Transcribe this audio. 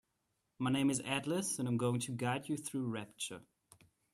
My name is Atlas and I'm going to guide you through Rapture.